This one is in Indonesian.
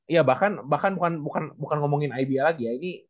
iya bahkan bahkan bukan bukan ngomongin iba lagi ya ini